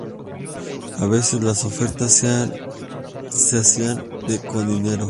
A veces las ofertas se hacían con dinero.